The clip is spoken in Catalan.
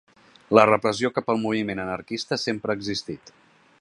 La repressió cap al moviment anarquista sempre ha existit.